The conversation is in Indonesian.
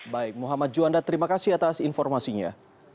baik muhammad juanda terima kasih atas informasinya